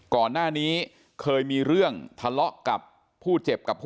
ก่อนหน้านี้เคยมีเรื่องทะเลาะกับผู้เจ็บกับผู้